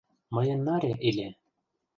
Мыйын наре иле...